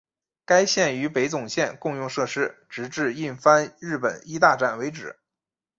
该线与北总线共用设施直至印幡日本医大站为止。